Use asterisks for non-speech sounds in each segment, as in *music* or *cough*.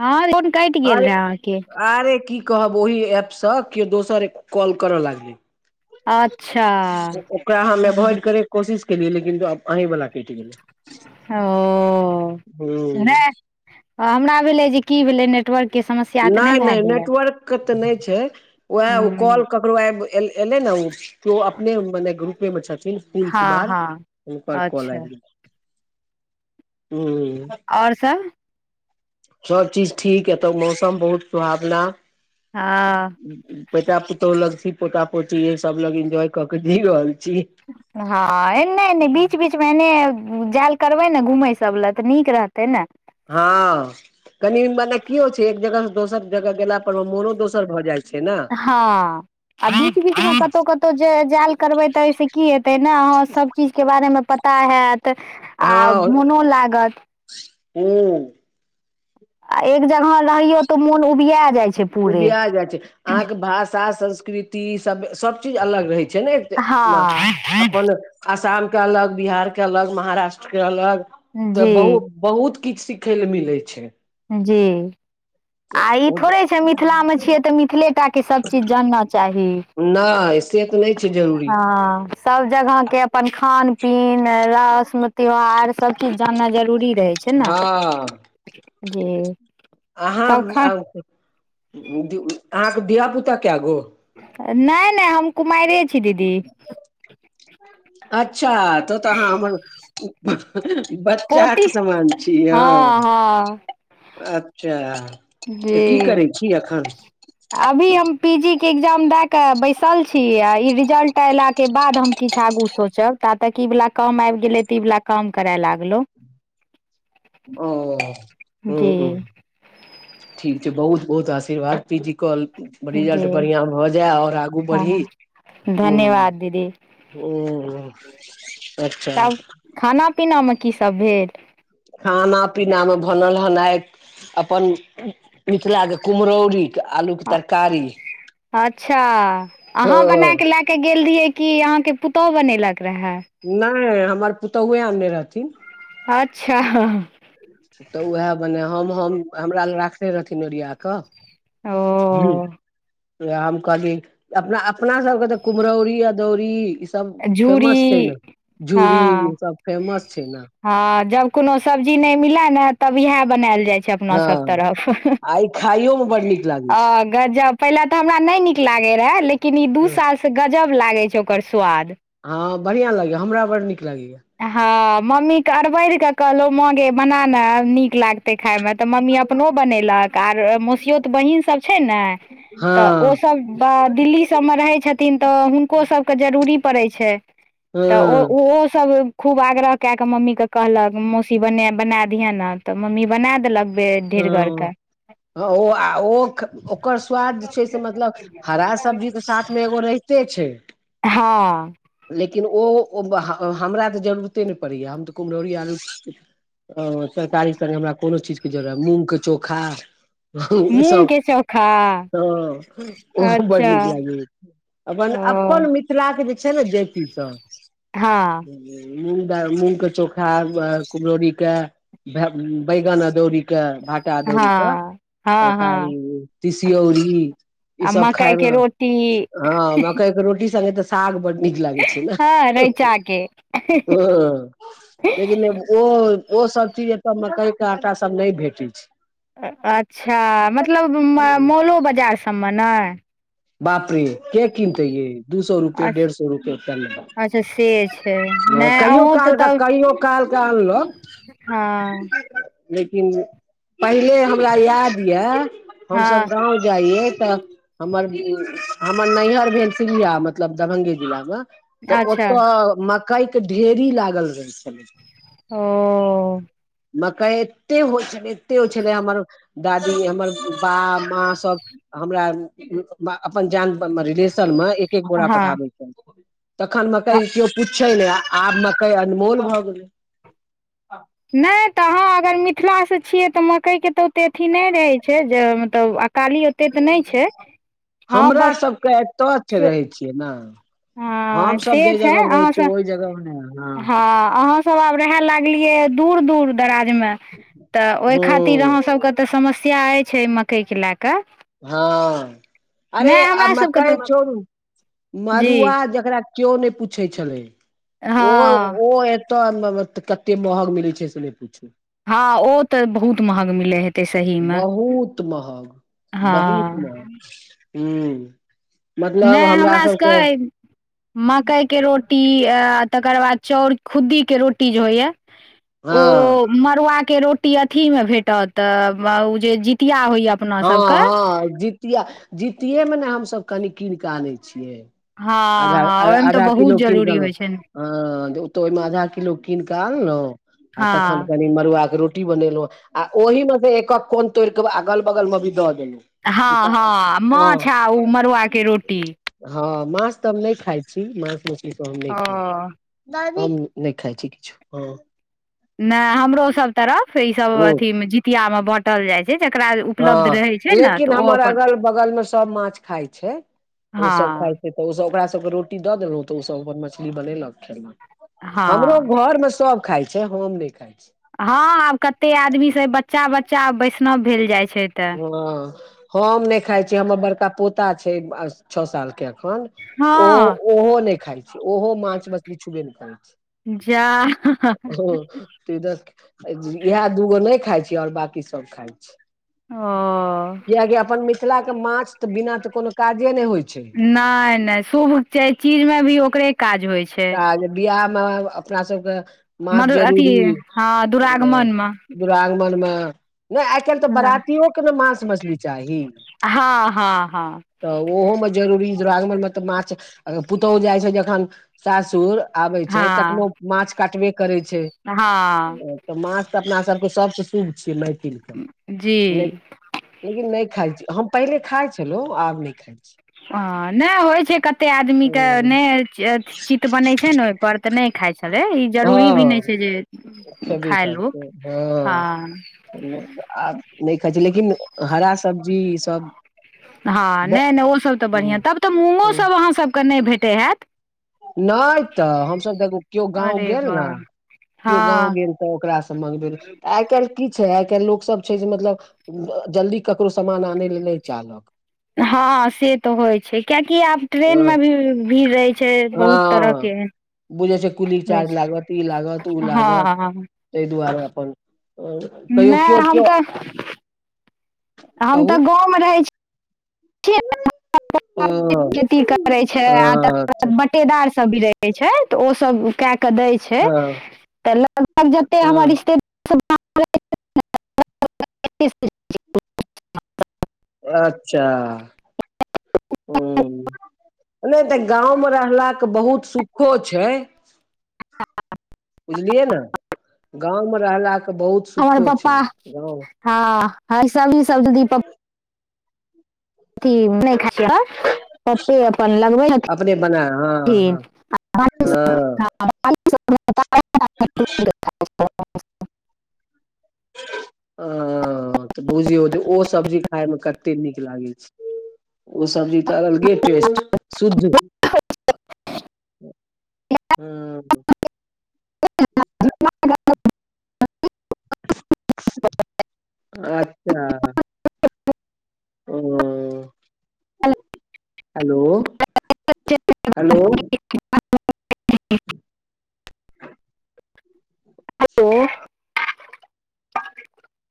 हँ फोन कटि गेल अरे रहे अहाँके अरे की कहब ओहिी ऐपसँ केओ दोसर कॉल करय लागलै अच्छा ओकरा हम एभोइड करै के कोशिश केलियै लेकिन आहीं वला कटि गेलै ओ हूँ हमरा भेलै की भेलै नेटवर्क के समस्या तऽ नहि भए नहि गेलै नेटवर्कके तऽ नहि छै उएह ओ हूँ कॉलके आ एले ने उ ओ अपने मने ग्रुपे मे छथिन फुल हँ कुमार हँ हुनकर कॉल अच्छा आइब गेलई आओर सब सभचीज ठीक एतय मौसम बहुत सुहावना हँ बेटा पुतौह लग छी पोता पोती सब लग इन्जॉय क के जी रहल छी हँ ए नहि नहि बीच बीच पाँच महिने जाय ल करबै ने घूमै सब लए तऽ नीक रहतै ने हँ कनि मने की हो छै एक जगह से दोसर जगह गेला पर मे मोनो दोसर भऽ जाइ छै ने हँ आ बीच बीच मे कतहु कतहु जाल करबै तऽ एहिहिसँ की हेतै ने अहाँ सब चीज के बारे मे पता हैत आ मोनो लागत हू आ एक जगह रहियौ तऽ मोन उबिया जाइ छै पूरे उबिया जाय छै अहा के भाषा संस्कृति सब सब चीज अलग रहे छै छै नहि एक म हँ अपन आसाम के अलग बिहार के अलग महाराष्ट्र के अलग तऽ जी बहुत बहुत किछ सिखे ले मिले छै जी आ ई थोड़े छै मिथिला में छियै तऽ मिथिलेटाके सभचीज जानना चाही नहि से तऽ नहि छै जरूरी हँ सब जगह के अपन खान पीन रस्म त्योहार सब चीज जानना जरूरी रहे छै ने हँ जी अहाँ तब खा अहाँके धिया पुता कै गो नहि नहि हम कुमारे छी दीदी अच्छा तऽ तऽ अहा हमर पोती बच्चाके समान छिय हँ हँ अ अच्छा तऽ की जी करै छी एखन अभी हम पीजी के एग्जाम द के बैसल छी आ ई रिजल्ट एला के बाद हम किछु आगू सोचब ता तक ई वला कम आबि गेलै तऽ ई वला कम करय लागलौ ओ ह जी ह ठीक छै बहुत बहुत आशीर्वाद पीजी कॉल जी रिजल्ट बढ़िया भऽ जाय ओर आगू बढ़ी हँ ह धन्यवाद दीदी ओ अच्छा तब खाना पीनामे की सब भेल खाना पीना मे भनल हन आइ अपन मिथिलाक के कुम्हरौरी आलूके ह तरकारी अच्छा हँ अहाँ बनाकऽ लेक गेल रहियै कि अहाँके पुतोहुक बनेलक रहए नहि हमर पुतोए आनय रहथिन अच्छा हँ तऽ उएह बने हम हम हमरा लग राखनेे रहथिन ओरिया कऽ ह ओ हम कहली अपना अपना सबके तऽ कुम्हरौरी अदौरी सब फेमस छै झूरी ने झूरी ई सब फेमस छै ने ह जब कोनो सब्जी न मिले ने तब इएहे बनायल जाय छै अपना सब हँ तरफ आ ई खाइयो मे बड नीक लागै आ गजब पहिले तऽ हमरा नहि नीक लागे रहय लेकिन ई दू छै साल से गजब लागै छै ओकर स्वाद हँ बढ़िया लागैए हमरा बड़ नीक लगैया हँ मम्मीके अरबड़ कऽ कहलहुँ माँ गे बना ने नीक लागतै खायमे तऽ मम्मी अपनो बनेलक आर मसियोत बहीनसभ छै ने हँ तऽ ओसभ ब दिल्ली सभमे रहै छथिन तऽ हुनको सभके जरूरी पड़ै छै तऽ हँ ओ सब खूब आग्रह कए कऽ मम्मी केँ कहलक मौसी ब बना दिहे ने तऽ मम्मी बना देलक ढीर घरके ह ओ आ ओ ओकर स्वाद जे छै से मतलब हरा सब्जीके साथ मे एगो रहिते छै हँ लेकिन ओ ह हम हमरा तऽ जरूरते नहि पड़ैए हम तऽ कुम्हरौरी आलू ओ तरकारी स हमरा कोनो चीजके जरूरत मूँगके चोखा मूंग सब के चोखा ह ओहो बड अच्छा नीक लाग अपन ओ अपन मिथिलाके जे छै ने जाैटीसभ हँ मुंग मुंग के चोखा कुमरौरी के बैगन दौरी क कटा दौरी के हँ हँ हँ तरकारी तिसियौरी ई आ सब मकई खायमे के रोटी हँ मकइके रोटी सङ्गे तऽ साग बड्ड नीक लागै छै ने हँ रैचा के ओ लेकिन ओ ओ सब चीज एतय मकई के आटा सब नहि भेटै छै अच्छा मतलब मॉलो बाजार सभमे नै बाप रे के किनते ये दू सौ रूपए अच्छा डेढ़ सौ रुपए लेब अच्छा से छै नहि कहियो अहूँ तऽ काल तब कहियो कालके आनलो हँ लेकिन पहिले हमरा याद यऽ हमसभ हँ गाँव जाइए तऽ हमर हमर नैहर भेल सिया मतलब दरभंगे जिला मे तऽ अच्छा ओतऽ कैक ढेरी लागल रहै छलै ओ मकइ तऽ होइ छलै, तऽ होइ छलै हमर। दादी हमर बा माँ सभ हमरा अपन जान रिलेशनमे एक एक गोरा हँ पठाबे छै तखन मकाइ क पुछे ने आब मकइ अनमोल भऽ गेलै। नइ तऽ अहाँ अगर मिथिलासँ छियै तऽ मकइके तऽ ओते अथि नइ रहै छै जे मतलब अकाली से तऽ नइ छै हँ बस। एतच रहै छियै ने हँ हम सभ जे से छै जगहमे रहै छियै अहाँसँ ओइ जगह मे ह सभ रहै लागलिए है दूर-दूर दराज में तो ओइ खातिर हूँ आहा सभके तऽ समस्या अछि छै। मकईके लए कऽ हँ आरे नहि आ हमरा सबके मकइ तऽ छोड़ू। जी मरुआ जेकरा क्यो नइ पूछै छलै। हँ ओहो ओ टाउनमे कते महग मिलै छै से नहि पुछु हँ, ओ तऽ बहुत महग मिलै है। बहुत महग हँ बहुत महग हू नै हमरास केहै मकईके रोटी तकर बाद चौर खुद्दी के रोटी जे होइया *inaudible* ओ मड़ुआके रोटी अथीमे भेटत ओ जे जितिया होइए हँ, हँ, जितिया जितियेमे ने हमसभ कनि कीन कऽ आनै छियै हँ आधा, हँ ओहिमे तऽ आधा बहुत किलो किन जरूरी गल होइ छै हँ, तऽ ओहिमे आधा किलो कीन कऽ आनलौ आ हँ तखन कनि मड़ुआके रोटी बनेलो आ ओहिमे से एकक कोन तोड़ कऽ अगल बगल मे भी दऽ देलू। हँ हँ, माछ आ ओ मड़ुआके रोटी हँ, माछ तऽ हम नइ खाइ छी माछ मछलीसभ हम नइ ओ खाइ हम नइ खाइ छी किछु ह नइ हमरो सभ तरफ ई सभ हूँ अथी मे जीतिया मे बाँटल जाय छै जेकरा उपलब्ध हँ, रहै छै ने लेकिन तऽ ओ हमर अपन अगल बगलमे सभ माछ खाइ छै ओसभ खाइ हँ छै तऽ ओसभ ओकरा सभके रोटी दऽ देलहुँ तऽ ओसभ अपन मछली बनेलक खेलक हमरो हँ घरमे सभ खाय छै हम नइ खाइ छी हँ, आब कते आदमीसे बच्चा बच्चा वैष्णव भेल जाइ छै तऽ हँ, हम नइ खाय छी हमर बड़का पोता छै। छओ सालके अखन ओ हँ ओहो नइ खाइ छै ओहो माछ मछली छुबे नइ खाइ छै जा हू बस इएह दूगो नइ खाय छै। और बाकी सभ खाय छी ह कियाकि अपन मिथिलाके माछ तऽ बिना तऽ कोनो काजे ने होइ छै। नइ, नइ शुभ छै, चीजमें भी ओकरे काज होइ छै बिआहमे अपना सभके माछ मर अथी जरूरी हँ दुरागमन मे दुरागमनमे एखन तऽ हँ बरातियोके ने मांस मछली चाही हँ हँ हँ तऽ ओहोमे जरूरी दुरागमनमे तऽ माछ पुतौहु जाइ छै जखन सासुर आबे छै हँ तखनो माछ काटबे करै छै। हँ। तऽ माछ तऽ अपना सभके सभसँ शुभ छियै मैथिल जी। लेकिन नइ खाइ छी हम पहिले खाइ छलहु आब नइ खाइ छी ओ नइ होइ छै कते आदमीके ओ नइ। चित बनै छै ने ओइ पर तऽ नइ खाइ छलै ई जरूरी भी नइ हँ छै जे खेबे खायलू करतै हँ आब नइ खाइ छै लेकिन हरा सब्जी ईसब हँ नै नै ओसब तऽ बढ़िआँ तब तऽ मूँगोसब अहाँसबके नइ भेटैत हैत नै तऽ हमसब एगो केओ गाँव अरे गेल न वाह क्यो गाँव हँ गेल तऽ ओकरासँ मंगबेलौं तऽ आइ काल्हि की छै आइ काल्हि लोकसब छै जे मतलब जल्दी ककरो सामान आनय लए नइ चाहलक हँ से तऽ होय छै क्याकि आब ट्रेन हँ में भी भीड़ रहय छै बहुत तरह के हँ एहन बुझै छै कुली चार्ज लागत ई लागत उ हँ लागत तहि दुआरे अपन कहियो नहि क्यो हम क्यो तऽ हम तऽ गाँवमे रहैत छी हँ खेती करै छै आ हँ तकर बाद बटेदार सब भी रहै छै *unintelligible* छै तऽ ओसभ कए कऽ दै छै हँ तऽ लगभग जते हमर हँ रिश्ते *unintelligible* अच्छा ह नइ तऽ गाँंव में रहला के बहुत सुखो छै बुझलियै ने गाँंव मे रहला के बहुत हमर सुखो छै पप्पा गाँव हँ सब ई सब दी *unintelligible* नहि ख *unintelligible* पप्पे अपन लगबै *unintelligible* अपने बना हँ थि हँ हँ ता *unintelligible* *unintelligible* ह तऽ बुझियौ जे ओ सब्जी खायमे कते नीक लागै छै ओ सब्जी त अलगे टेस्ट शुध ह्म *unintelligible* अच्छा उं हेलो हेलो ह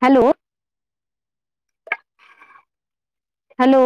हेलो हेलो